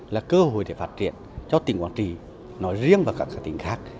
là cơ hội để phát triển cho tỉnh quảng trị nói riêng và các tỉnh khác